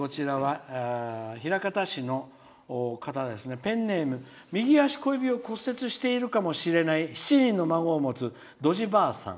枚方市の方、ペンネーム右足小指を骨折してるかもしれない７人の孫を持つどじばあさん。